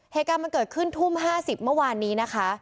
เหตุการณ์มันเกิดขึ้นทุ่ม๕๐เมื่อวานนี้นะคะ